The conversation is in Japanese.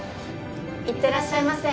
いってらっしゃいませ。